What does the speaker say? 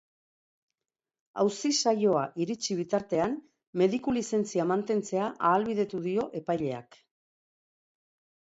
Auzi-saioa iritsi bitartean, mediku lizentzia mantentzea ahalbidetu dio epaileak.